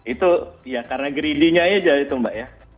itu ya karena greedinya aja itu mbak ya